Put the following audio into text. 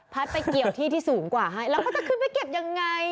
พัดไปเกี่ยวกับที่สูงกว่าให้แล้วมันต้องลดไปเก็บยังไง